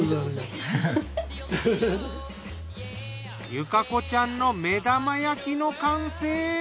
由香子ちゃんの目玉焼きの完成。